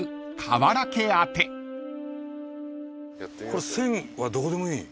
これ線はどこでもいい？